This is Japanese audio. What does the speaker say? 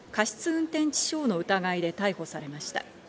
運転致傷の疑いで逮捕されました。